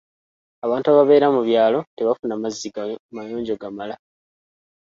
Abantu ababeera mu byalo tebafuna mazzi mayonjo gamala.